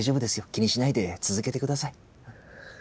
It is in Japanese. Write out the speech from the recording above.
気にしないで続けてください。